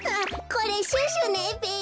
これシュシュねべ。